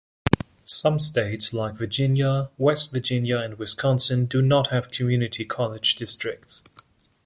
Some states, like Virginia, West Virginia, and Wisconsin, do not have community college districts.